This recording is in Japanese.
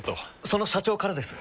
その社長からです。